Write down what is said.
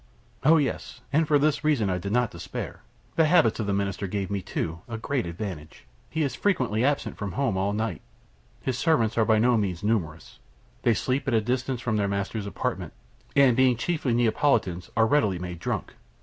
"Oh yes, and for this reason I did not despair. The habits of the Minister gave me, too, a great advantage. He is frequently absent from home all night. His servants are by no means numerous. They sleep at a distance from their master's apartment, and, being chiefly Neapolitans, are readily made drunk.